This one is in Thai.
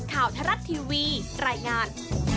ข่าวทรัศน์ทีวีแรงงาน